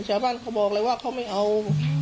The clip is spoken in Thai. ชาวบ้านเขาบอกเลยว่าเขาไม่เอา